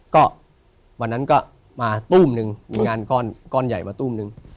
ก็วันนั้นก็มาตู้มหนึ่งมีงานก้อนใหญ่มาตู้มนึง